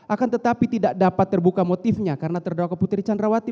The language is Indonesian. akan tetapi tidak dapat terbuka motifnya karena terdakwa putri candrawati